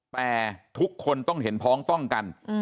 แต่ทุกคนต้องเห็นพ้องต้องกัน